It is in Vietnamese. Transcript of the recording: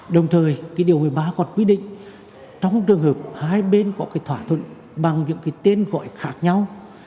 đồng thời cái điều một mươi ba còn quy định trong trường hợp hai bên có cái thỏa thuận bằng những cái tên gọi khác nhau